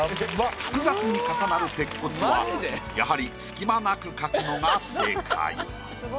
複雑に重なる鉄骨はやはり隙間なく描くのが正解。